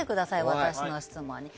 私の質問に。